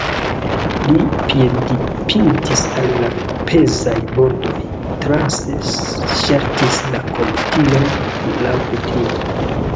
Li piedpintis al la pezaj pordoj, transe ŝaltis la komputilon laŭkutime.